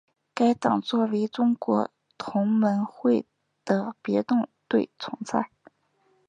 该党作为中国同盟会的别动队存在。